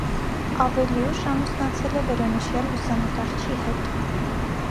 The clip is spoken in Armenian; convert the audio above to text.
Ավելի ուշ ամուսնացել է վերոնշյալ լուսանկարչի հետ։